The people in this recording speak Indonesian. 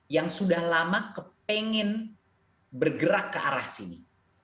yang sudah lama kepengen bergerak ke arah sini